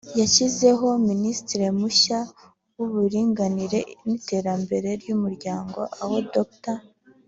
yashyizeho Minisitiri mushya w’Uburinganire n’Iterambere ry’Umuryango aho Dr